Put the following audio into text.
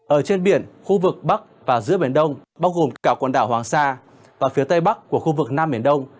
ở trên biển khu vực bắc và giữa biển đông bao gồm cả quần đảo hoàng sa và phía tây bắc của khu vực nam biển đông